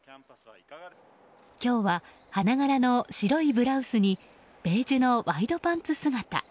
今日は花柄の白いブラウスにベージュのワイドパンツ姿。